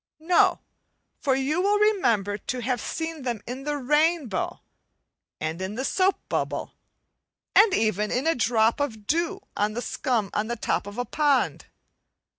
No; for you will remember to have seen them in the rainbow, and in the soap bubble, and even in a drop of dew or the scum on the top of a pond.